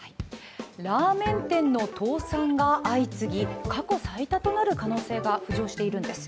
ラーメン店の倒産が相次ぎ、過去最多となる可能性が浮上しているんです。